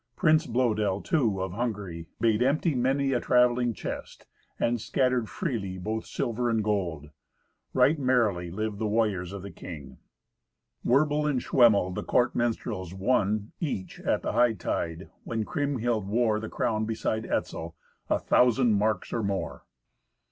Prince Blœdel, too, of Hungary, bade empty many a travelling chest, and scatter freely both silver and gold. Right merrily lived the warriors of the king. Werbel and Schwemmel, the court minstrels, won, each, at the hightide, when Kriemhild wore the crown beside Etzel, a thousand marks or more.